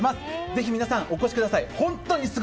ぜひ皆さん、お越しください。